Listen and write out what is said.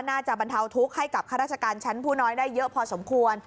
บรรเทาทุกข์ให้กับข้าราชการชั้นผู้น้อยได้เยอะพอสมควร